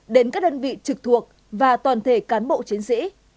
đến các đơn vị trực thuộc và toàn thể cán bộ chiến sĩ